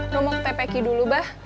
rom mau ke ppk dulu bah